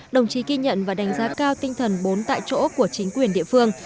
đồng chí ghi nhận và đánh giá cao tinh thần bốn tại chỗ của chính quyền địa phương